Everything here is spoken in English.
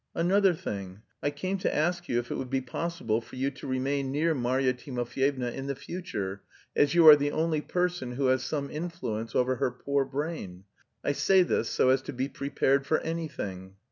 Another thing: I came to ask you if it would be possible for you to remain near Marya Timofyevna in the future, as you are the only person who has some influence over her poor brain. I say this so as to be prepared for anything."